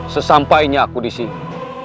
sesampainya aku disini